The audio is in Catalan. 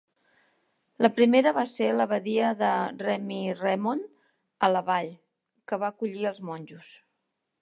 La primera va ser l'abadia de Remiremont, a la vall, que va acollir els monjos.